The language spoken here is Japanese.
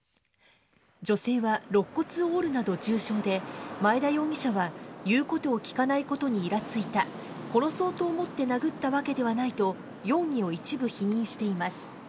女性はろっ骨を折るなど重傷で、前田容疑者は、言うことを聞かないことにいらついた、殺そうと思って殴ったわけではないと容疑を一部否認しています。